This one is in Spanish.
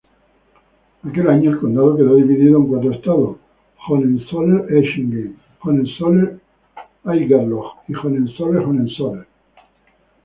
Aquel año el condado quedó dividido en cuatro Estados: Hohenzollern-Hechingen, Hohenzollern-Haigerloch, Hohenzollern-Hohenzollern y Hohenzollern-Sigmaringen.